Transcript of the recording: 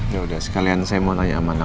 yaudah sekalian saya mau tanya sama anak anak